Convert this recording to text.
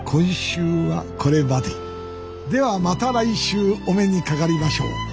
ではまた来週お目にかかりましょう。